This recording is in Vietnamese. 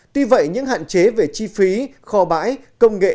tuy vậy những hạn chế về chi phí kho bãi công nghệ